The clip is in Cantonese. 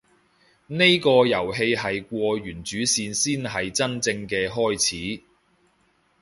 呢個遊戲係過完主線先係真正嘅開始